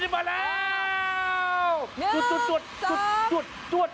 อ่ะนี่มาแล้ว